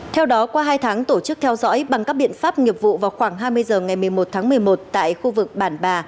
theo đó qua hai tháng tổ chức theo dõi bằng các biện pháp nghiệp vụ vào khoảng hai mươi h ngày một mươi một tháng một mươi một tại khu vực bản bà